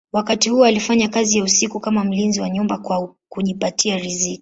Wakati huu alifanya kazi ya usiku kama mlinzi wa nyumba kwa kujipatia riziki.